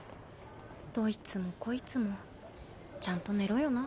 どいつもこいつもちゃんと寝ろよな。